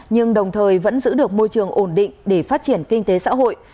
nhưng đồng thời vẫn giữ được môi trường ổn định để phát triển kinh tế xã hội